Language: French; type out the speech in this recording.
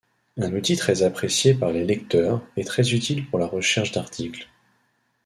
Un outil très appréciée par les lecteurs, et très utile pour la recherche d'articles.